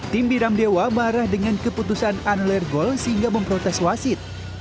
tim biram dewa marah dengan keputusan anler gol sehingga memprotes wasit